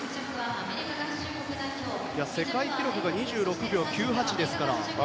世界記録が２６秒９８ですので。